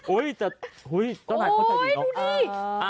อุ้ยจะอุ้ยต้องหายเขาจะอีกเนอะ